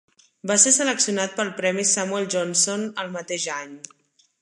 Va ser seleccionat per al Premi Samuel Johnson el mateix any.